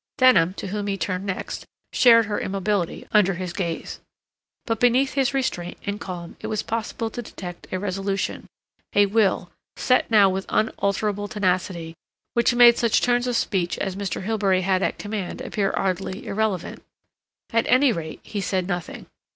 Denham, to whom he turned next, shared her immobility under his gaze. But beneath his restraint and calm it was possible to detect a resolution, a will, set now with unalterable tenacity, which made such turns of speech as Mr. Hilbery had at command appear oddly irrelevant. At any rate, he said nothing.